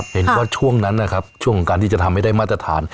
เห็นว่าช่วงนั้นนะครับช่วงของการที่จะทำให้ได้มาตรฐาน